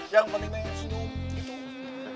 yang penting neng senyum gitu